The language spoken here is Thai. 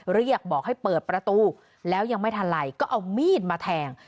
เรียกบอกให้เปิดประตูแล้วยังไม่ทันไรก็เอามีดมาแทง